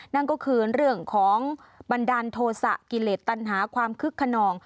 นั่นก็คือเรื่องของบันดาลโทษะกิเลสตันหาความคึกขนอง